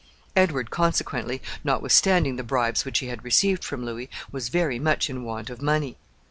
Edward, consequently, notwithstanding the bribes which he had received from Louis, was very much in want of money.